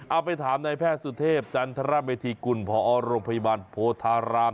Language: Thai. เอาไปถามนายแพทย์สุเทพจันทรเมธีกุลพอโรงพยาบาลโพธาราม